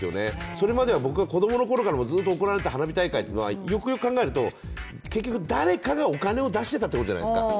それまでは僕が子供のころからもずっと行われた花火大会はよくよく考えると結局誰かがお金を出していたということじゃないですか。